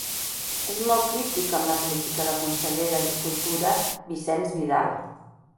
És molt crític amb la política del conseller d'Agricultura Vicenç Vidal.